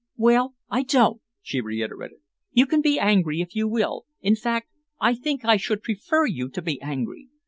"Well, I don't," she reiterated. "You can be angry, if you will in fact I think I should prefer you to be angry.